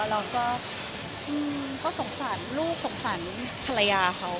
เราก็สงสารลูกสงสารภรรยาเขา